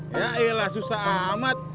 yaelah susah amat